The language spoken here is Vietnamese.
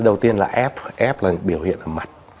đầu tiên là f là biểu hiện ở mặt